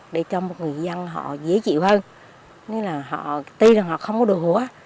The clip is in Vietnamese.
để cho người dân họ dễ chịu hơn tí là họ không có được